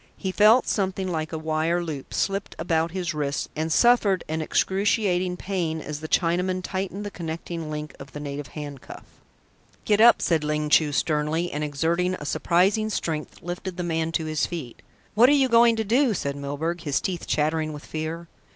He felt something like a wire loop slipped about his wrists, and suffered an excruciating pain as the Chinaman tightened the connecting link of the native handcuff. "Get up," said Ling Chu sternly, and, exerting a surprising strength, lifted the man to his feet. "What are you going to do?" said Milburgh, his teeth chattering with fear.